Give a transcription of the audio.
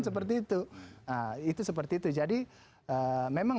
seperti itu itu seperti itu jadi memang